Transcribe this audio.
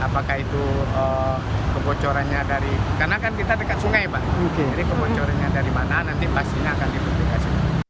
apakah itu kebocorannya dari karena kan kita dekat sungai pak ini kebocorannya dari mana nanti pastinya akan dipublikasi